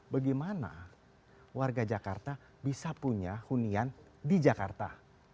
bagaimana warga jakarta bisa punya hunian di jakarta